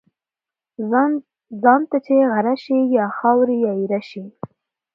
ځان ته چی غره شی ، یا خاوري یا ايره شی .